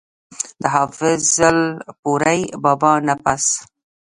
د حافظ الپورۍ بابا نه پس